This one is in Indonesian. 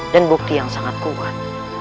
dan bukti yang sangat kuat